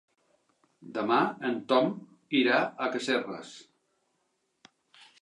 Demà en Tom irà a Casserres.